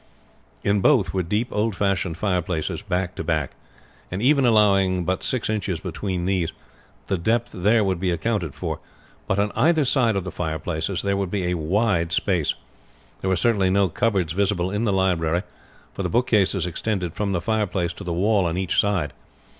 In both were deep old fashioned fireplaces back to back; and even allowing but six inches between these, the depth there would be accounted for, but on either side of the fireplaces there would be a wide space. There were certainly no cupboards visible in the library, for the bookcases extended from the fireplace to the wall on each side.